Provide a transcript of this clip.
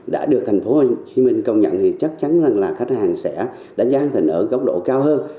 đã được thành phố hồ chí minh công nhận thì chắc chắn là khách hàng sẽ đánh giá cao hơn